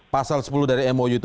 pasal sepuluh dari mou